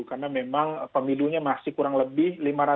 karena memang pemilunya masih kurang lebih